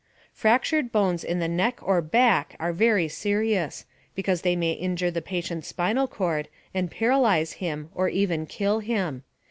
Fractured bones in the NECK OR BACK are very serious, because they may injure the patient's spinal cord and paralyze him or even kill him.